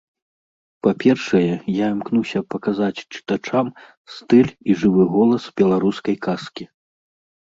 Па-першае, я імкнуўся паказаць чытачам стыль і жывы голас беларускай казкі.